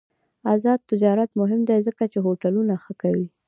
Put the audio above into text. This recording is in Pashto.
آزاد تجارت مهم دی ځکه چې هوټلونه ښه کوي.